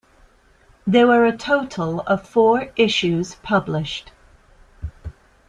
There were a total of four issues published.